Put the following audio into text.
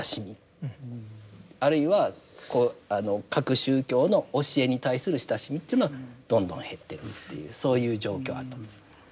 あるいはこう各宗教の教えに対する親しみというのはどんどん減ってるというそういう状況あると思います。